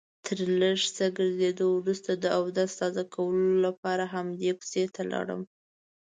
تر لږ څه ګرځېدو وروسته د اودس تازه کولو لپاره همدې کوڅې ته لاړم.